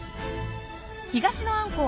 東のあんこう